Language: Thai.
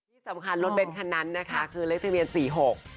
ที่สำคัญรถเบ้นคันนั้นนะคะคือเลขทะเบียนสี่หก